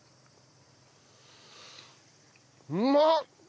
うまっ！